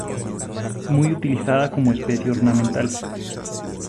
Muy utilizada como especie ornamental.